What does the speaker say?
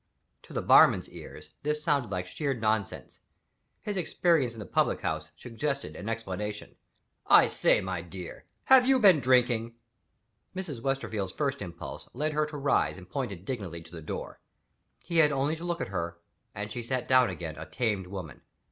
To the barman's ears, this sounded like sheer nonsense. His experience in the public house suggested an explanation. "I say, my girl, have you been drinking?" Mrs. Westerfield's first impulse led her to rise and point indignantly to the door. He had only to look at her and she sat down again a tamed woman.